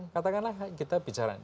katakanlah kita bicara